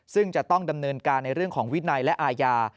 ซึ่งจะต้องดำเนินการในเรื่องของวินัยและอาญา